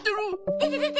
でてでて！